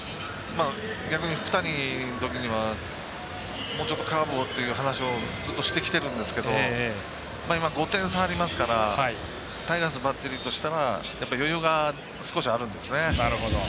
逆に福谷のときにはもうちょっとカーブをという話をずっとしてきているんですけど今、５点差ありますからタイガースのバッテリーとしては余裕が少しあるんですね。